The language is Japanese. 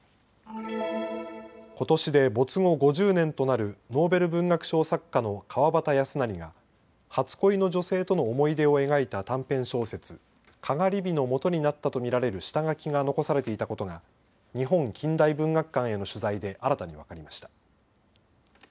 ことしで没後５０年となるノーベル文学賞作家の川端康成が初恋の女性との思い出を描いた短編小説、篝火のもとになったと見られる下書きが残されていたことが日本近代文学館への取材で新たに分かりました。